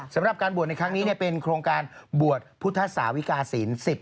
สำหรับการบวชในครั้งนี้เป็นโครงการบวชพุทธศาวิกาศิลป์